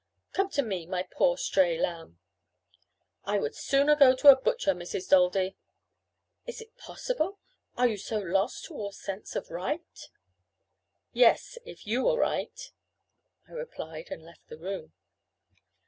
Come to me, my poor stray lamb." "I would sooner go to a butcher, Mrs. Daldy." "Is it possible? Are you so lost to all sense of right?" "Yes, if you are right," I replied; and left the room.